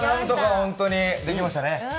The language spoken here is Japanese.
本当に、できましたね